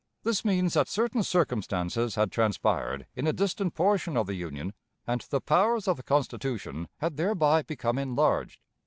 This means that certain circumstances had transpired in a distant portion of the Union, and the powers of the Constitution had thereby become enlarged.